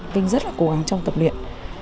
vinh rất là cố gắng trong tập luyện